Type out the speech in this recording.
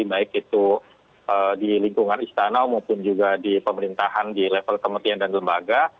baik itu di lingkungan istana maupun juga di pemerintahan di level kementerian dan lembaga